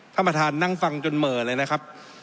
ท่านประธานนั่งฟังจนเหม่อเลยนะครับ